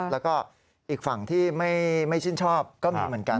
แล้วก็อีกฝั่งที่ไม่ชื่นชอบก็มีเหมือนกัน